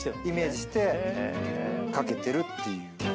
イメージして掛けてるっていう。